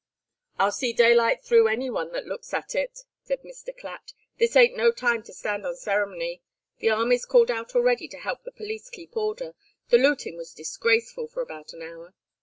"I'll see daylight through any one that looks at it," said Mr. Clatt. "This ain't no time to stand on ceremony. The army's called out already to help the police keep order the lootin' was disgraceful for about an hour.